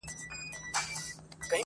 بازاري ویل قصاب دی زموږ په ښار کي!